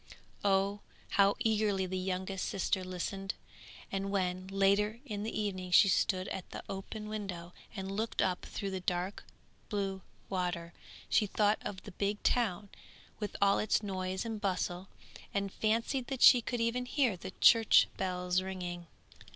Oh, how eagerly the youngest sister listened! and when, later in the evening she stood at the open window and looked up through the dark blue water, she thought of the big town with all its noise and bustle, and fancied that she could even hear the church bells ringing.